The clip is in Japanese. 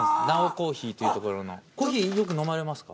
コーヒーよく飲まれますか？